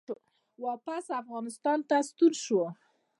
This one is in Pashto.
واپس افغانستان ته ستون شو